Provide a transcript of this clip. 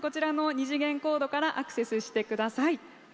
二次元コードからアクセスしてください。